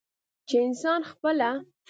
چې انسان خپله